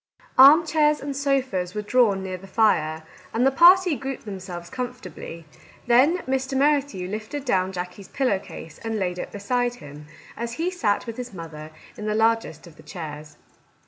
Armchairs and sofas were drawn near the fire, and the party grouped themselves com fortably ; then Mr. Merrithew lifted down Jackie's pillow case and laid it beside him, as he sat with his mother in the largest of the chairs.